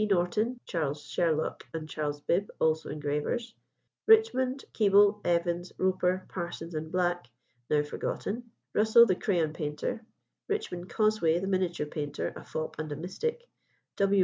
Norton, Charles Sherlock, and Charles Bibb, also engravers; Richmond, Keeble, Evans, Roper, Parsons, and Black, now forgotten; Russell, the crayon painter; Richmond Cosway, the miniature painter, a fop and a mystic; W.